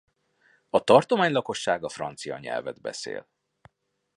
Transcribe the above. A tartomány lakossága francia nyelvet beszél.